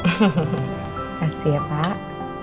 makasih ya pak